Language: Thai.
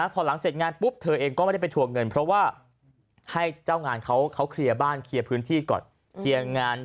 พอหลังเสร็จงานปุ๊บเธอเองก็ไม่ได้ไปถั่วเงิน